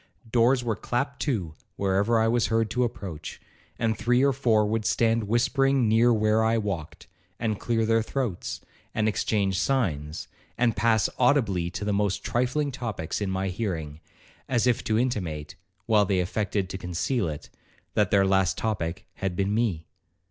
Doors were clapped to wherever I was heard to approach; and three or four would stand whispering near where I walked, and clear their throats, and exchange signs, and pass audibly to the most trifling topics in my hearing, as if to intimate, while they affected to conceal it, that their last topic had been me.